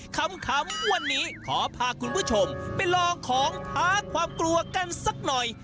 คำวันนี้ขอพาคุณผู้ชมไปลองของท้าความกลัวกันสักหน่อย